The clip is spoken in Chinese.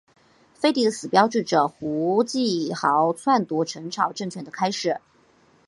废帝的死标志着胡季牦篡夺陈朝政权的开始。